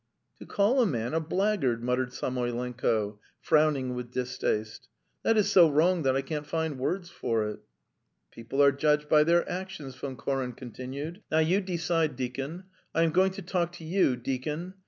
"To call a man a blackguard!" muttered Samoylenko, frowning with distaste "that is so wrong that I can't find words for it!" "People are judged by their actions," Von Koren continued. "Now you decide, deacon. ... I am going to talk to you, deacon. Mr.